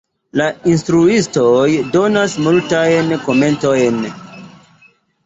La instruistoj donas multajn komentojn.